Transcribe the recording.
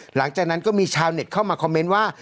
หลังจากนั้นก็มีชาวเน็ตเข้ามาคอมเมนต์ว่า